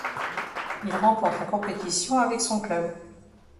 Il remporte la compétition avec son club.